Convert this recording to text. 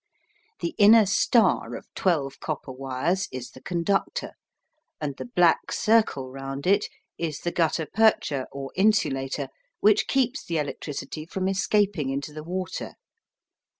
The inner star of twelve copper wires is the conductor, and the black circle round it is the gutta percha or insulator which keeps the electricity from escaping into the water.